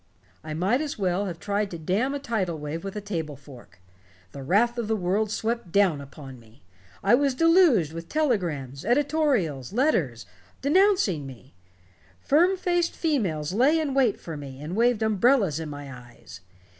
I might as well have tried to dam a tidal wave with a table fork. The wrath of the world swept down upon me. I was deluged with telegrams, editorials, letters, denouncing me. Firm faced females lay in wait for me and waved umbrellas in my eyes.